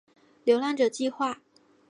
流浪者计画